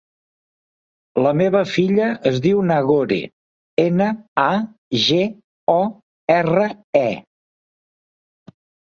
La meva filla es diu Nagore: ena, a, ge, o, erra, e.